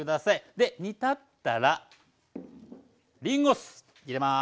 で煮立ったらりんご酢入れます。